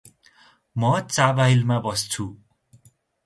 म चाबहिलमा बस्छु ।